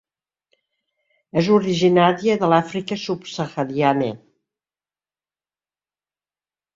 És originària de l'Àfrica subsahariana.